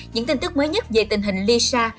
những tin tức mới nhất về tình hình lisa